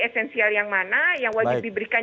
esensial yang mana yang wajib diberikan